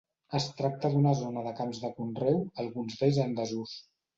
Es tracta d'una zona de camps de conreu, alguns d'ells en desús.